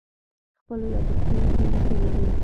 خپلو یادښتونو کې لیکلي دي.